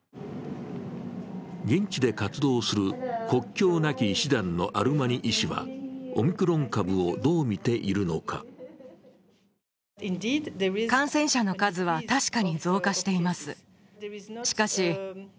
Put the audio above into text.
現地で活動する国境なき医師団のアルマニ医師はオミクロン株をどう見ているのか。